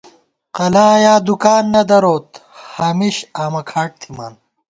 قلا یا دُکان نہ دروت، ہمیش آمہ کھاٹ تھِمان